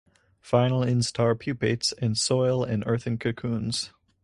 Final instar pupates in soil in earthen cocoons.